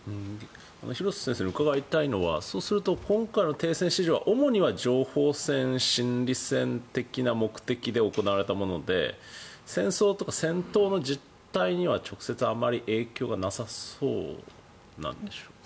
廣瀬先生に伺いたいのは今回の停戦提示は情報戦、心理戦の目的で行われたもので戦争とか戦闘の実態には直接あまり影響はなさそうですか？